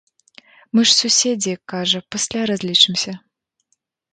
Мы ж суседзі, кажа, пасля разлічымся.